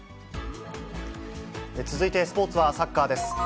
続いてスポーツはサッカーです。